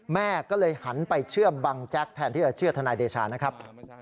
แม่ก็เลยหันไปเชื่อบังแจ๊กแทนที่จะเชื่อทนายเดชานะครับ